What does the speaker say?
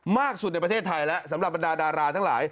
มากสุดในประเทศไทยแล้วสำหรับบรรดาดาราทั้งหลาย